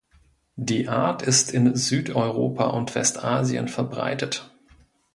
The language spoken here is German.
Die Art ist in Südeuropa und Westasien verbreitet.